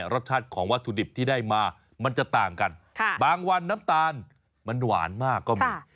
รสชาติของวัตถุดิบที่ได้มามันจะต่างกันบางวันน้ำตาลมันหวานมากก็มี